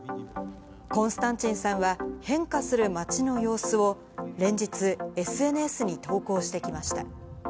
コンスタンチンさんは、変化する町の様子を連日、ＳＮＳに投稿してきました。